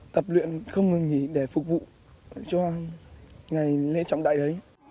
tập luyện không ngừng nghỉ để phục vụ cho ngày lễ trọng đại đấy